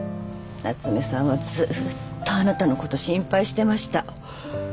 夏目さんはずっとあなたのこと心配してました。